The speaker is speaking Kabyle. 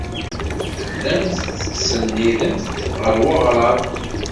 Tellamt tettsennidemt ɣer weɣrab.